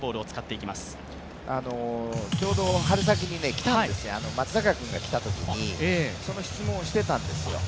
ちょうど春先に松坂君が来たときにその質問をしてたんですよ。